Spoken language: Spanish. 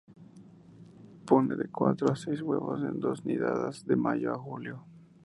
Pone de cuatro a seis huevos en dos nidadas, de mayo a julio.